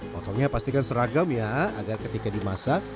potongnya pastikan seragam ya agar ketika dimasak